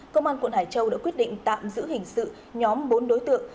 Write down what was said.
công an quận hải châu đã quyết định tạm giữ hình sự nhóm bốn đối tượng